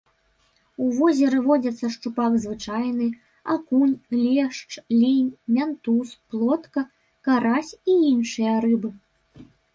У возеры водзяцца шчупак звычайны, акунь, лешч, лінь, мянтуз, плотка, карась і іншыя рыбы.